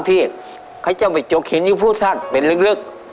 แล้วะเข้าจบไปโจกเช็ดอยู่พูกท่านไปลึก